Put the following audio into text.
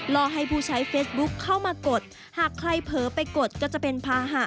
รอให้ผู้ใช้เฟซบุ๊คเข้ามากดหากใครเผลอไปกดก็จะเป็นภาหะ